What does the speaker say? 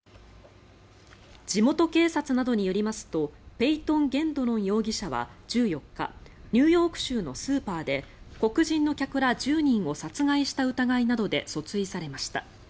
地元警察などによりますとペイトン・ゲンドロン容疑者は１４日ニューヨーク州のスーパーで黒人の客ら１０人を殺害した疑いなどで訴追されました。